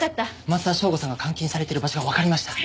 松田省吾さんが監禁されてる場所がわかりました。